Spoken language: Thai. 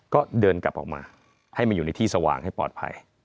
ก็เดินกลับออกมาให้มาอยู่ในที่สว่างให้ปลอดภัย